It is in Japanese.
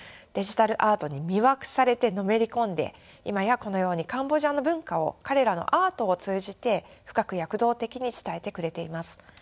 デジタルアートに魅惑されてのめり込んで今やこのようにカンボジアの文化を彼らのアートを通じて深く躍動的に伝えてくれています。